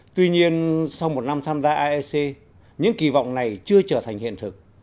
tuy nhiên sau một năm tham gia aec những kỳ vọng này chưa trở thành hiện thực